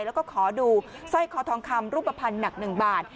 แล้วก็ขอดูสร้อยคอทองคำรูปภัณฑ์หนัก๑บาท